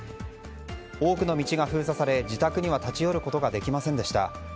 多くの道が封鎖され自宅には立ち寄ることができませんでした。